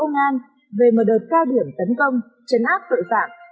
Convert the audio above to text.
công an về mở đợt ca điểm tấn công chấn áp tội phạm